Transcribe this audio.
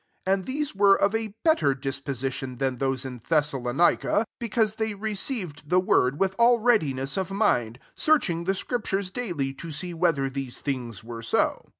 11 And these were of a better dis position than those in Thessa lonica, because they received the word with all readiness of mind, searching the scriptures daily, to see whether these things were so.